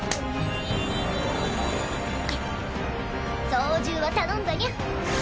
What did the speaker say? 操縦は頼んだニャ。